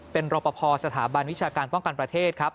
เป็นรปภสถาบันวิชาการป้องกันประเทศครับ